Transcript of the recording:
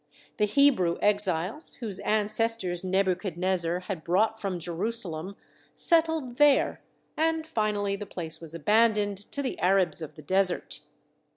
The Hebrew exiles, whose ancestors Nebuchadnezzar had brought from Jerusalem, settled there, and finally the place was abandoned to the Arabs of the desert.